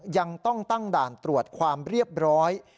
ยังต้องตั้งด่านตรวจความเรียบร้อย